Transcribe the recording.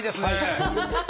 ハハハハ！